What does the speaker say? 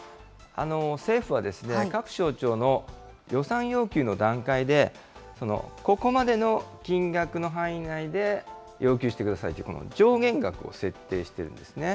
政府は各省庁の予算要求の段階で、ここまでの金額の範囲内で要求してくださいと、上限額を設定してるんですね。